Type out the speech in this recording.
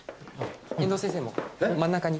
遠藤先生も真ん中に。